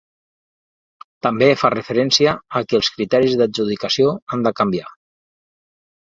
També fa referència a que els criteris d’adjudicació han de canviar.